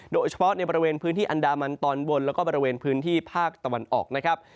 โดยเฉพาะในบริเวณพื้นที่อันดามันตอนบนแล้วก็บริเวณพื้นที่ภาคตะวันออกนะครับ